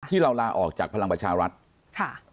ที่เราลาออกจากพลังประชารัฐ